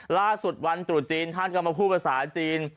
ล่าสุดวันตรุษจีนท่านก็มาพูดภาษาจีน